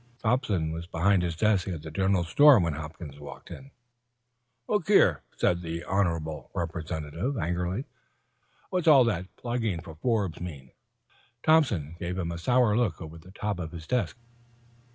Thompson was behind his desk at the general store when Hopkins walked in. "Look here," said the Honorable Representative, angrily, "what's been going on in Elmwood? What's all this plugging for Forbes mean?" Thompson gave him a sour look over the top of his desk.